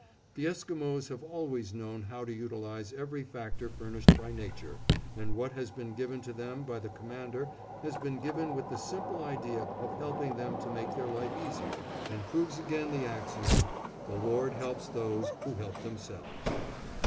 The Esquimos have always known how to utilize every factor furnished by nature, and what has been given to them by the Commander has been given with the simple idea of helping them to make their life easier, and proves again the axiom, "The Lord helps those who help themselves."